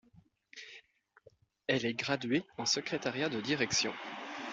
Elle est graduée en secrétariat de direction.